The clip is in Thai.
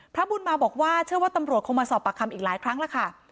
พระบุญมาบอกว่าเชื่อว่าตำรวจคงมาสอบปากคำอีกหลายครั้งแล้วค่ะ